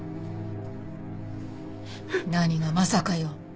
何が「まさか」よ。